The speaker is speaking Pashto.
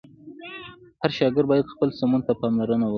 هر شاګرد باید خپل سمون ته پاملرنه وکړه.